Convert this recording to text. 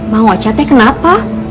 mang ocatnya kenapa